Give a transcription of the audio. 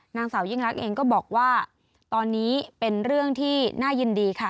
นางสาวยิ่งรักเองก็บอกว่าตอนนี้เป็นเรื่องที่น่ายินดีค่ะ